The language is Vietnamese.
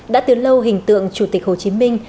đã từ lâu hình tượng chủ tịch hồ chí minh